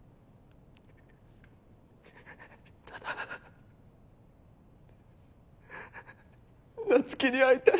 ただ菜月に会いたい。